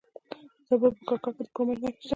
د زابل په کاکړ کې د کرومایټ نښې شته.